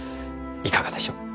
いかがでしょう？